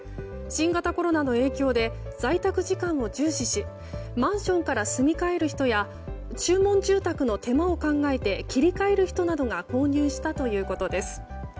新型コロナの影響で在宅時間を重視しマンションから住み替える人や注文住宅の手間を考えて切り替える人などが購入したということです。